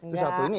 tuh satu ini